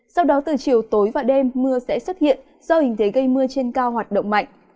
sau đó từ chiều tối và đêm mưa sẽ xuất hiện do hình thế gây mưa trên cao hoạt động mạnh